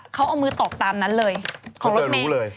เขาเอามือตกตามนั้นเลยเขาจะรู้เลย